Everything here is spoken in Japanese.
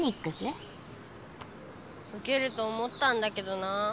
ウケると思ったんだけどな。